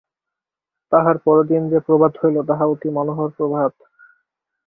তাহার পরদিন যে প্রভাত হইল তাহা অতি মনোহর প্রভাত।